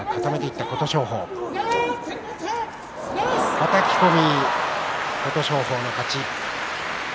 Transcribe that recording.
はたき込み、琴勝峰の勝ち。